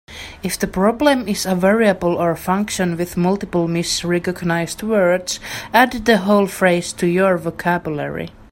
If the problem is a variable or function with multiple misrecognized words, add the whole phrase to your vocabulary.